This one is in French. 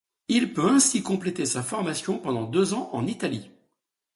Il peut ainsi compléter sa formation pendant deux ans en Italie.